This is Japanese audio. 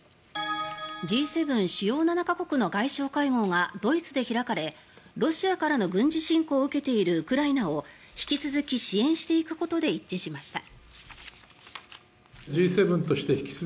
Ｇ７・主要７か国の外相会合がドイツで開かれロシアからの軍事侵攻を受けているウクライナを引き続き支援していくことで一致しました。